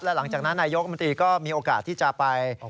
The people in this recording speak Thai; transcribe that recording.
และหลังจากนั้นนายยกอมติก็มีโอกาสที่จะไป